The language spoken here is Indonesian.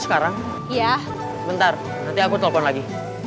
saya harus pergi